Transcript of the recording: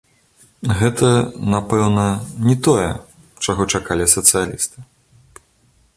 Гэта, напэўна, не тое, чаго чакалі сацыялісты.